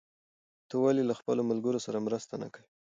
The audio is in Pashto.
ته ولې له خپلو ملګرو سره مرسته نه کوې؟